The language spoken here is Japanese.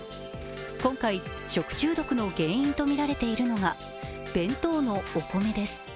今回、食中毒の原因とみられているのが弁当のお米です。